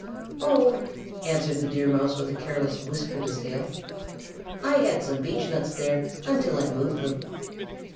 "Oh," answered the Deer Mouse with a careless whisk of his tail, "I had some beechnuts there until I moved them."